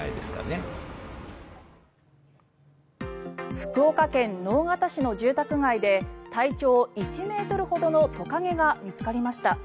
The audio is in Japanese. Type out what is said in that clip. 福岡県直方市の住宅街で体長１ｍほどのトカゲが見つかりました。